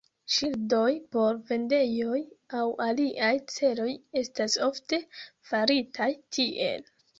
Ŝildoj por vendejoj aŭ aliaj celoj estas ofte faritaj tiel.